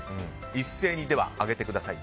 一斉に上げてください。